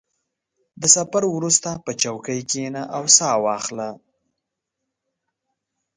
• د سفر وروسته، په چوکۍ کښېنه او سا واخله.